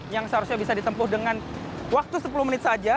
yang seharusnya bisa ditempuh dengan waktu sepuluh menit saja